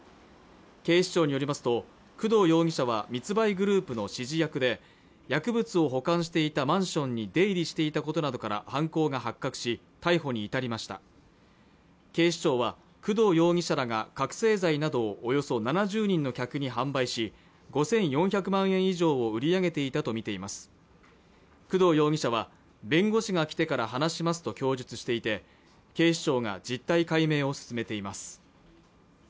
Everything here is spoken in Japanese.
警視庁によりますと工藤容疑者は密売グループの指示役で薬物を保管していたマンションに出入りしていたことなどから犯行が発覚し逮捕に至りました警視庁は工藤容疑者らが覚せい剤などをおよそ７０人の客に販売し５４００万円以上を売り上げていたとみています工藤容疑者は弁護士が来てから話しますと供述していて警視庁が実態解明を進めています